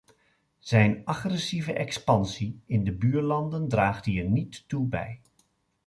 Zijn agressieve expansie in de buurlanden draagt hier niet toe bij.